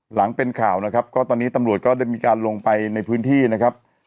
หลังเป็นข่าวนะครับก็ตอนนี้ตำรวจก็ได้มีการลงไปในพื้นที่นะครับ